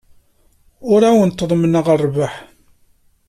Ur awent-ḍemmneɣ rrbeḥ.